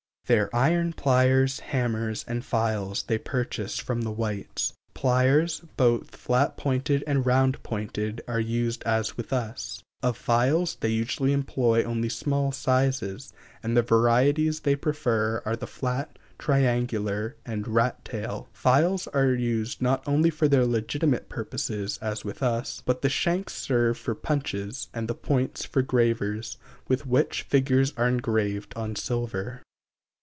Their iron pliers, hammers, and files they purchase from the whites. Pliers, both flat pointed and round pointed, are used as with us. Of files they usually employ only small sizes, and the varieties they prefer are the flat, triangular, and rat tail. Files are used not only for their legitimate purposes, as with us, but the shanks serve for punches and the points for gravers, with which figures are engraved on silver.